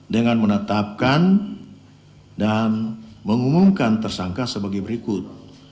dengan menetapkan dan mengumumkan tersangka sebagai berikut